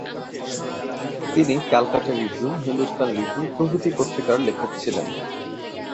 তিনি 'Calcutta Review', 'Hindustan Review' প্রভৃতি পত্রিকার লেখক ছিলেন।